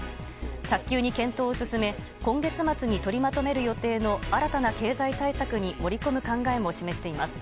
早急に検討を進め今月末に取りまとめる予定の新たな経済対策に盛り込む考えも示しています。